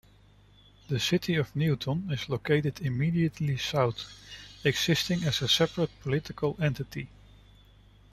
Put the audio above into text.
The city of Newton is located immediately south, existing as a separate political entity.